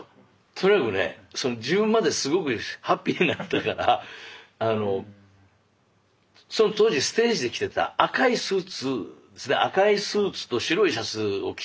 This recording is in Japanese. とにかくね自分まですごくハッピーになったからその当時ステージで着てた赤いスーツですね赤いスーツと白いシャツを着て行ったんですよ。